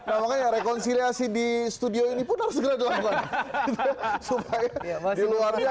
nah makanya rekonsiliasi di studio ini pun harus segera dilakukan